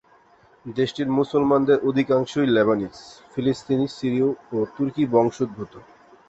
দেশটির মুসলমানদের অধিকাংশই লেবানিজ, ফিলিস্তিনি, সিরীয় ও তুর্কি বংশোদ্ভূত।